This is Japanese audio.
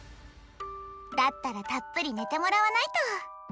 だったらたっぷり寝てもらわないと。